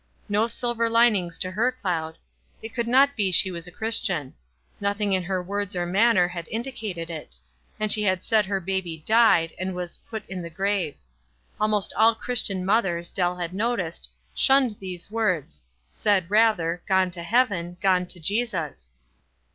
No silver linings to her cloud. It could not be she was a Chris tian. Nothing in her words or manner had indicated it ; and she had said her baby "died" and was "put in the grave." Almost all Chris tian mothers, Dell had noticed, shunned these words, — said, rather, "Gone to heaven," "Gone to Jesus."